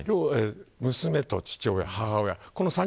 娘と父親と母親